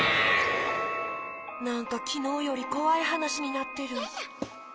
なんかきのうよりこわいはなしになってる。